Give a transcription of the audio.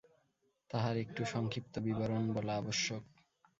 তাহার একটু সংক্ষিপ্ত বিবরণ বলা আবশ্যক।